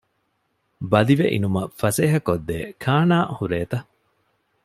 ބަލިވެއިނުމަށް ފަސޭހަކޮށްދޭ ކާނާ ހުރޭތަ؟